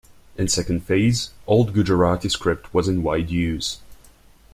In second phase, Old Gujarati script was in wide use.